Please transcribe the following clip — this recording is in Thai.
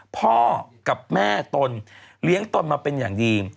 พ่อกับแม่ตนเลี้ยงตนมาเป็นอย่างดี